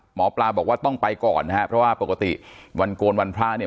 หมอปลาบอกว่าต้องไปก่อนนะฮะเพราะว่าปกติวันโกนวันพระเนี่ย